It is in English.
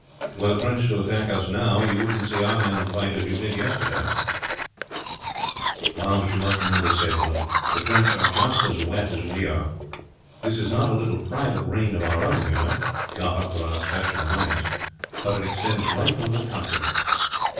Were the French to attack us now you wouldn't see our men fight as you did yesterday." "But you must remember, Stapleton, the French are just as wet as we are. This is not a little private rain of our own, you know, got up for our special annoyance; but it extends right over the country."